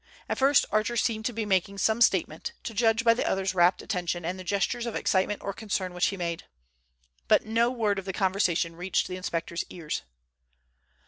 At first Archer seemed to be making some statement, to judge by the other's rapt attention and the gestures of excitement or concern which he made. But no word of the conversation reached the inspector's ears.